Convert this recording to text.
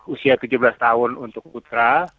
usia tujuh belas tahun untuk putra